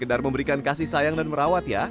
tapi juga memberikan kasih sayang dan merawat ya